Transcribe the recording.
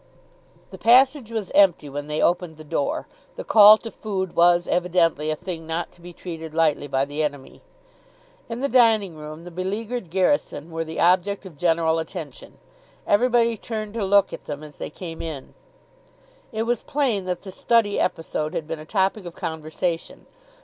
The passage was empty when they opened the door; the call to food was evidently a thing not to be treated lightly by the enemy. In the dining room the beleaguered garrison were the object of general attention. Everybody turned to look at them as they came in. It was plain that the study episode had been a topic of conversation.